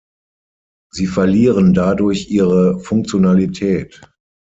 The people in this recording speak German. Sie verlieren dadurch ihre Funktionalität.